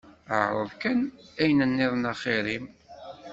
Ԑreḍ kan ayen nniḍen axir-im.